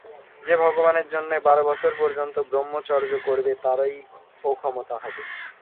যে ভগবানের জন্য বার বছর পর্যন্ত ব্রহ্মচর্য করবে, তারই ও-ক্ষমতা হবে।